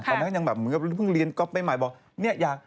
ตอนนั้นคือแบบมึงก็เรียนก็ปไปหมายบอก